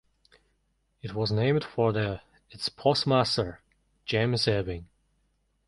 It was named for the its postmaster, James Ewing.